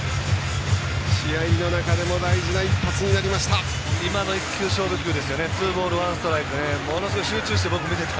試合の中でも大事な一発になりました。